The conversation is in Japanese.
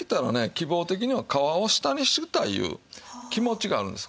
希望的には皮を下にしたいという気持ちがあるんです。